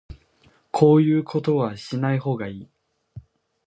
こういうことはしない方がいい